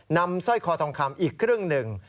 นำสร้อยคอทองคลำอีกครึ่งนึง